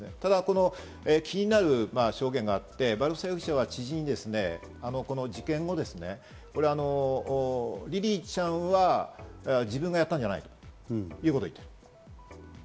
ただ気になる証言があって、バルボサ容疑者は知人に事件後、リリィちゃんは自分がやったんじゃないと言っている。